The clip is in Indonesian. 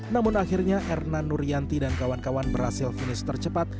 namun akhirnya erna nurianti dan kawan kawan berhasil finish tercepat